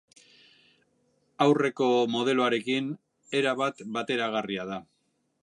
Aurreko modeloarekin erabat bateragarria da.